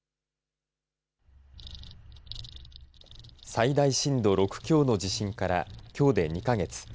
最大震度６強の地震からきょうで２か月。